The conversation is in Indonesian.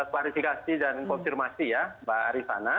pasti dan konfirmasi ya pak rifana